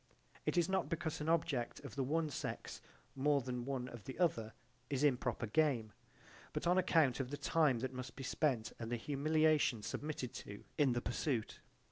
It is not because an object of the one sex more than one of the other is improper game: but on account of the time that must be spent and the humiliation submitted to in the pursuit.